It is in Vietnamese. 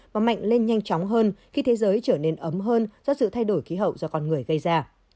và mạnh lên nhanh chóng hơn khi thế giới trở nên ấm hơn do sự thay đổi khí hậu do con người gây ra